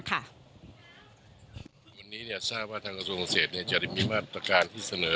วันนี้ทราบว่าทางกระทรวงเศษจะได้มีมาตรการที่เสนอ